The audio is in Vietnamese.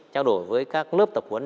trao đổi với các lớp tập huấn